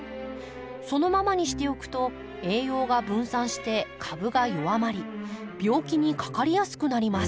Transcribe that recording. そのままにしておくと栄養が分散して株が弱まり病気にかかりやすくなります。